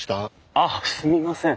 あっすみません。